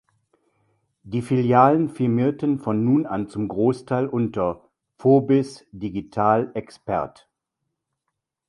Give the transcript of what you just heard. Die Filialen firmierten von nun an zum Großteil unter "Vobis digital expert".